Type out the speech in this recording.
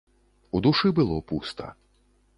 У душы было пуста.